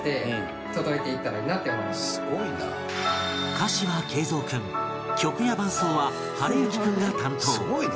歌詞は桂三君曲や伴奏は暖之君が担当